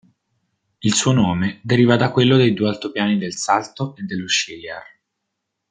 Il suo nome deriva da quello dei due altopiani del Salto e dello Sciliar.